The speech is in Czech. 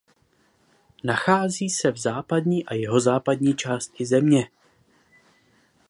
Nachází se v západní a jihozápadní části země.